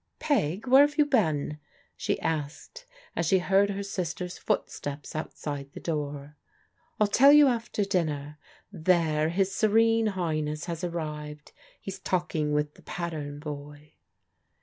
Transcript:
"P^, where have you been? " she asked as she heard her sister's footsteps outside the door. 110 PRODIGAL DAUGHTERS " I'll tell you after dinner. There, his Serene High ness has arrivecL He's talking with the pattern boy."